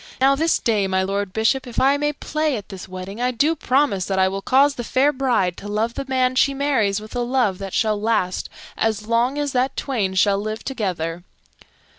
Now this day, my Lord Bishop, if I may play at this wedding, I do promise that I will cause the fair bride to love the man she marries with a love that shall last as long as that twain shall live together."